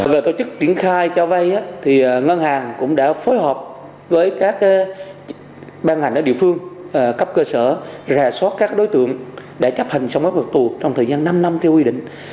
về tổ chức triển khai cho vai ngân hàng cũng đã phối hợp với các ban hành địa phương cấp cơ sở giả soát các đối tượng để chấp hành xong án phạt tù trong thời gian năm năm theo quy định